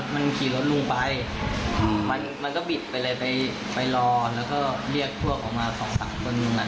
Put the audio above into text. ไปรอก็เรียกพวกออกมากับสองตัวนึงมัน